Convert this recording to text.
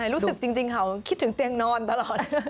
รู้สึกจริงเขาคิดถึงเตียงนอนตลอด